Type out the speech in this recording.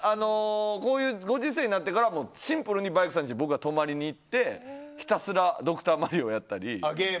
こういうご時世になってからはシンプルにバイクさんちに僕が泊まりに行ってひたすら「ドクターマリオ」をやったり。